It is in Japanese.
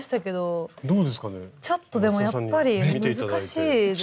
ちょっとでもやっぱり難しいですね。